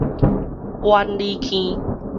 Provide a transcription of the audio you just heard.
苑裡坑